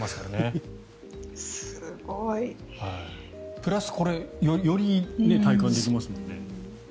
プラスより体感できますもんね。